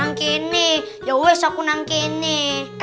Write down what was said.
yaudah aku tidur